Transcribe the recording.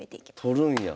取るんや。